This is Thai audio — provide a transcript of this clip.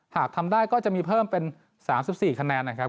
หากทำได้ก็จะมีเพิ่มเป็น๓๔คะแนนนะครับ